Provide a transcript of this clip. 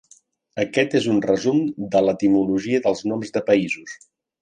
Aquest és un resum de l'etimologia dels noms de països.